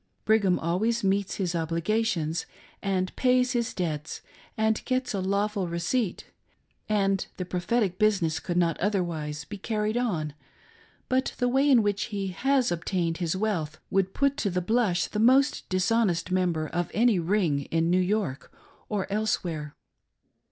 Brig ham always meets his obligations, and pays his debts, and gets a lawful receipt :— the prophetic business could not otherwise •be carried on ; but the way in which he has obtained his wealth would put to the blush the most dishonest member of any " ring " in New York; or elsewhere.